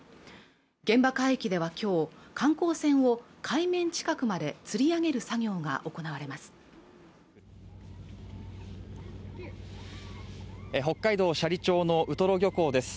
現場海域ではきょう観光船を海面近くまでつり上げる作業が行われます北海道斜里町のウトロ漁港です